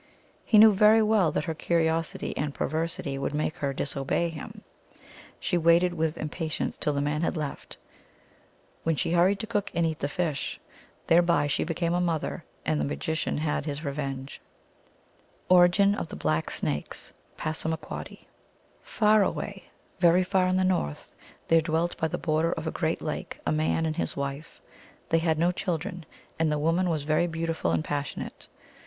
He knew very well that her curiosity and perversity would make her disobey him. She waited with impa tience till the man had left, when she hurried to cook and eat the fish. Thereby she became a mother, and the magician had his revenge. 278 THE ALGONQUIN LEGENDS. Origin of the Black Snakes. (Passamaquoddy.) Far away, very far in the north, there dwelt by the border of a great lake a man and his wife. They had no children, and the woman was very beautiful and passionate.